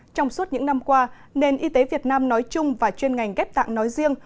trong suốt những năm qua nền y tế việt nam nói chung và chuyên ngành ghép tạng nói riêng